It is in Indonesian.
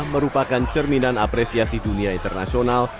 merupakan cerminan apresiasi dunia internasional